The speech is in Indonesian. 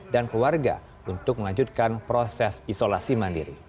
dan keluarga untuk melanjutkan proses isolasi mandiri